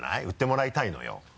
言ってもらいたいのよ。